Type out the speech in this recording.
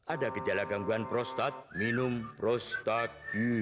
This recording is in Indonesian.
ada gejala gangguan prostat minum prostat